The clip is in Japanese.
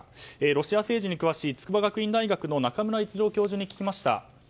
ロシア政治に詳しい筑波学院大学中村逸郎教授に聞きました。